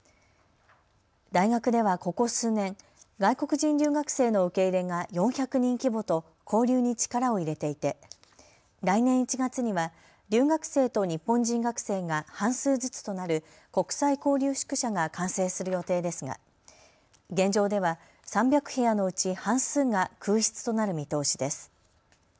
大学ではここ数年、外国人留学生の受け入れが４００人規模と交流に力を入れていて来年１月には留学生と日本人学生が半数ずつとなる国際交流宿舎が完成する予定ですが現状では３００部屋のうち半数が空室となる見通しです。